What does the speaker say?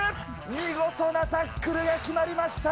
見事なタックルが決まりました。